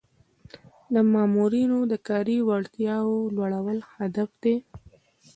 د مامورینو د کاري وړتیاوو لوړول هدف دی.